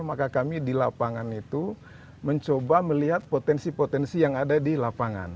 maka kami di lapangan itu mencoba melihat potensi potensi yang ada di lapangan